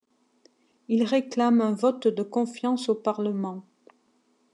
Il réclame un vote de confiance au parlement.